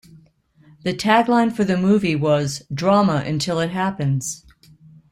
The tagline for the movie was, "Drama, until it happens".